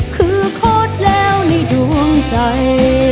คือโค้ดแล้วในดวงใจ